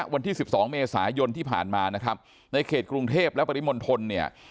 วันที่๑๒เมษายนที่ผ่านมานะครับในเขตกรุงเทพและปริมณฑลเนี่ย